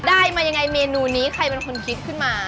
ได้มายังไงเมนูนี้ใครเป็นคนคิดขึ้นมา